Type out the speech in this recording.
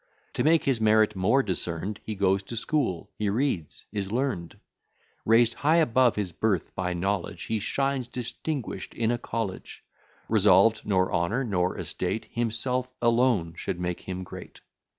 To make his merit more discern'd, He goes to school he reads is learn'd; Raised high above his birth, by knowledge, He shines distinguish'd in a college; Resolved nor honour, nor estate, Himself alone should make him great.